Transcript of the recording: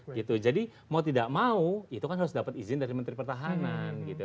gitu jadi mau tidak mau itu kan harus dapat izin dari menteri pertahanan gitu